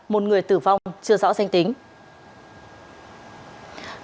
một người tử vong chưa rõ danh tính